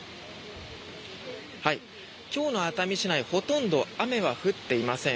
今日の熱海市内ほとんど雨は降っていません。